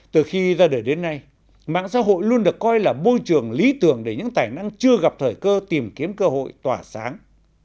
từ khi ra đời đến nay mạng xã hội luôn được coi là môi trường lý tưởng để những tài năng chưa gặp thời cơ tìm kiếm cơ hội tỏa sáng